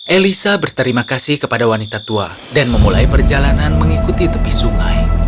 elisa berterima kasih kepada wanita tua dan memulai perjalanan mengikuti tepi sungai